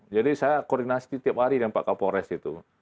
jadi saya koordinasi tiap hari dengan pak kapolres itu